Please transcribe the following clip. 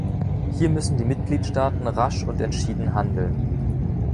Hier müssen die Mitgliedstaaten rasch und entschieden handeln.